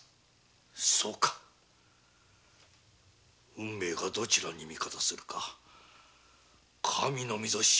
そうか運命がどちらに味方するか神のみぞ知るだ。